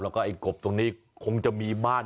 เราก็ไอ้เด็กต้องนี้คงจะมีบ้าน